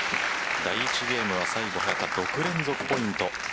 第１ゲームは最後早田、６連続ポイント。